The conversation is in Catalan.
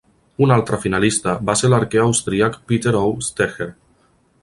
Un altre finalista va ser l'arquer austríac Peter O. Stecher.